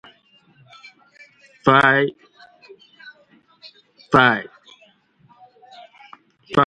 Evelyn, the gorilla, escaped her enclosure approximately five times.